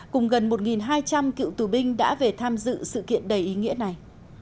cùng gần một hai trăm linh cựu tù binh đã về tham dự sự kiện đầy ý nghĩa này